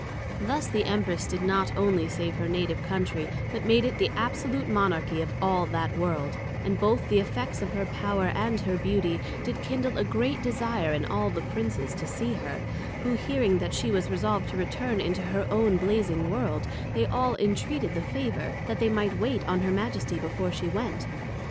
Thus the Empress did not onely save her Native Country, but made it the Absolute Monarchy of all that World; and both the effects of her Power and her Beauty, did kindle a great desire in all the greatest Princes to see her; who hearing that she was resolved to return into her own Blazing World, they all entreated the favour, that they might wait on her Majesty before she went.